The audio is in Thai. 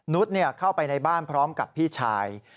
เข้าไปในบ้านพร้อมกับพี่ชาย